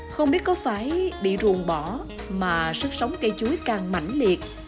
không biết có phải bị ruồn bỏ mà sức sống cây chuối càng mạnh liệt